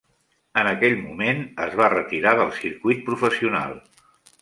En aquell moment, es va retirar del circuit professional.